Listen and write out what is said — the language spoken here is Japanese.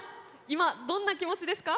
今どんな気持ちですか？